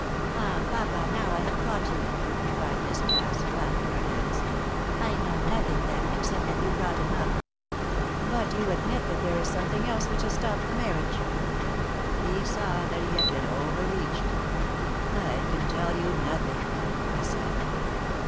"Ah, papa, now I have caught you!" cried Miss Cass, clapping her hands. "I know nothing, then, except that you brought him up. But you admit there is something else which has stopped the marriage?" He saw that he had been over reached. "I can tell you nothing," he said.